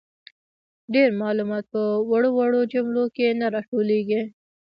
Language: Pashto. ډیر معلومات په وړو وړو جملو کي نه راټولیږي.